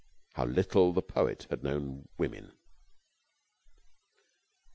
How little the poet had known women.